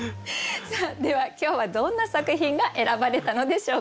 さあでは今日はどんな作品が選ばれたのでしょうか。